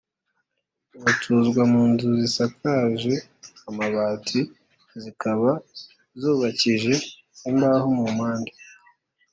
batuzwa mu nzu zisakaje amabati zikaba zubakije imbaho mu mpande